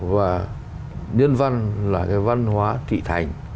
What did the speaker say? và nhân văn là cái văn hóa thị thành